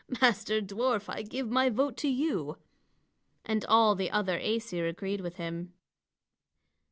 Master dwarf, I give my vote to you." And all the other Æsir agreed with him.